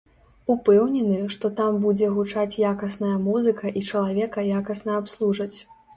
Упэўнены, што там будзе гучаць якасная музыка і чалавека якасна абслужаць.